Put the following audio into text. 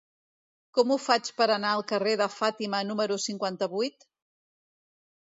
Com ho faig per anar al carrer de Fàtima número cinquanta-vuit?